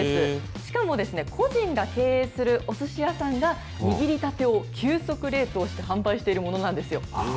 しかも個人が経営するおすし屋さんが、握りたてを急速冷凍して販売しているものなんですよ。